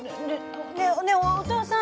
ねえねえお父さん